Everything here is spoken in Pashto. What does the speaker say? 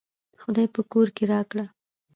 خداى په کور کې راکړه